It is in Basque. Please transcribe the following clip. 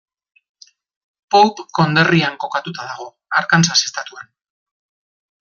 Pope konderrian kokatuta dago, Arkansas estatuan.